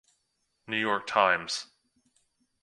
New York Times.